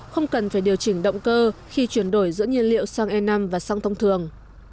không cần phải điều chỉnh động cơ khi chuyển đổi giữa nhiên liệu sang e năm và sang thông thường